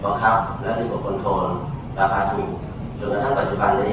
ความทดนามของดวนพระทินักษ์ของคนใด